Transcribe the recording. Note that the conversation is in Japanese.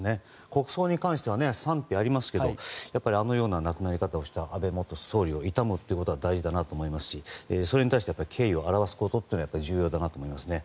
国葬に関しては賛否がありますけどもやっぱりあのような亡くなり方をした安倍元総理を悼むということは大事だなと思いますしそれに対して敬意を表すことは重要だなと思います。